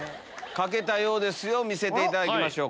書けたようですよ見せていただきましょう。